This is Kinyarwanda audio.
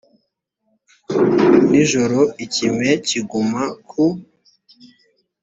nijoro ikime kiguma ku